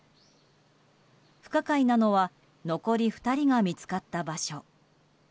不可解なのは残り２人が見つかった場所。